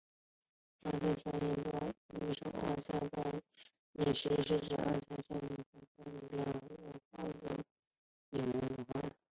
阿塞拜疆饮食是指阿塞拜疆国内及阿塞拜疆人的饮食文化。